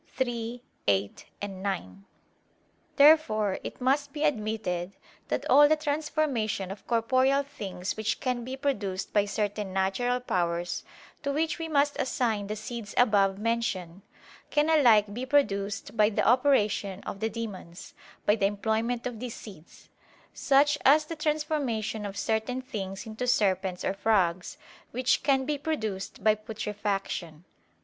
iii, 8, 9). Therefore it must be admitted that all the transformation of corporeal things which can be produced by certain natural powers, to which we must assign the seeds above mentioned, can alike be produced by the operation of the demons, by the employment of these seeds; such as the transformation of certain things into serpents or frogs, which can be produced by putrefaction.